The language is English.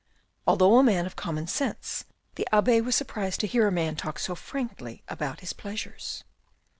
Although a man of common sense, the abbe was surprised to hear a man talk so frankly about his pleasures.